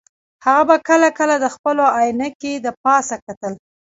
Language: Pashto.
هغه به کله کله د خپلو عینکې د پاسه کتل